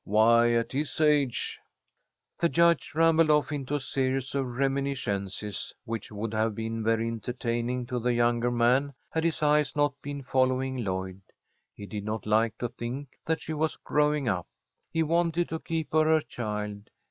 Why, at his age " The Judge rambled off into a series of reminiscences which would have been very entertaining to the younger man had his eyes not been following Lloyd. He did not like to think that she was growing up. He wanted to keep her a child.